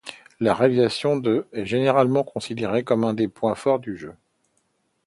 La réalisation de ' est généralement considérée comme un des points forts du jeu.